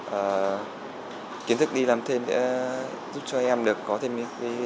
và kiến thức đi làm thêm sẽ giúp cho em được có thêm